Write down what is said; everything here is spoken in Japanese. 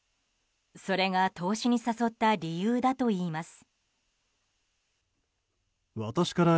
それが投資に誘った理由だといいます。